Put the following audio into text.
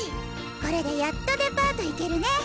これでやっとデパート行けるね。